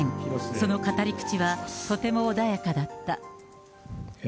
その語り口はとても穏やかだった。